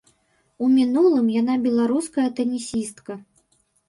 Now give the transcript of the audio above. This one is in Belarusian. У мінулым яна беларуская тэнісістка.